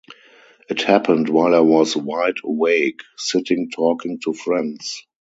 It happened while I was wide awake, sitting talking to friends.